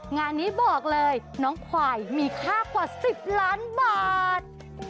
งานนี้บอกเลยน้องควายมีค่ากว่า๑๐ล้านบาท